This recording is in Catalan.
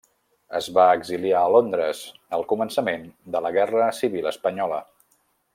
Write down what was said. Es va exiliar a Londres al començament de la Guerra Civil Espanyola.